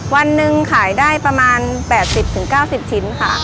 วันหนึ่งขายได้ประมาณ๘๐๙๐ชิ้นค่ะ